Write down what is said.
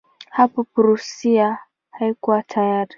Hapo Prussia haikuwa tayari.